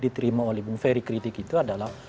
diterima oleh bung ferry kritik itu adalah